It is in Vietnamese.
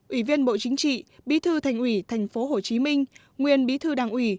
ủy viên bộ chính trị bí thư thành ủy tp hcm nguyên bí thư đảng ủy